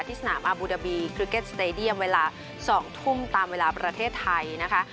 สนามอาบูดาบีคริเก็ตสเตดียมเวลา๒ทุ่มตามเวลาประเทศไทยนะคะ